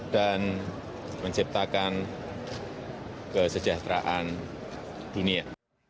dan menciptakan kesejahteraan dunia